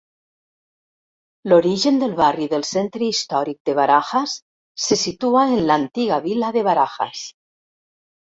L'origen del barri del centre històric de Barajas se situa en l'antiga vila de Barajas.